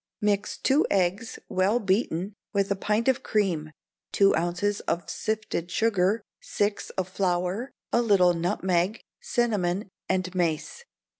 Mix two eggs, well beaten, with a pint of cream, two ounces of sifted sugar, six of flour, a little nutmeg, cinnamon, and mace.